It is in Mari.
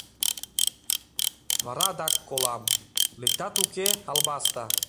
Вара адак колам: «Лектат-уке, албаста?